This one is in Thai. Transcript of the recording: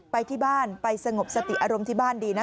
ไปที่บ้านไปสงบสติอารมณ์ที่บ้านดีนะ